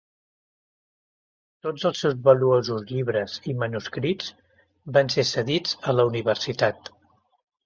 Tots els seus valuosos llibres i manuscrits van ser cedits a la universitat.